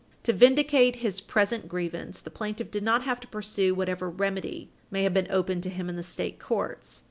To vindicate his present grievance, the plaintiff did not have to pursue whatever remedy may have been open to him in the state courts.